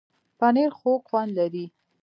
پنېر خوږ خوند لري.